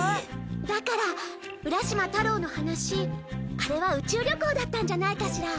だから浦島太郎の話あれは宇宙旅行だったんじゃないかしら。